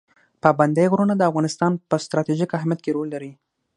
پابندی غرونه د افغانستان په ستراتیژیک اهمیت کې رول لري.